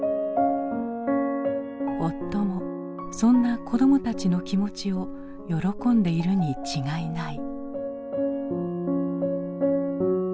夫もそんな子どもたちの気持ちを喜んでいるに違いない。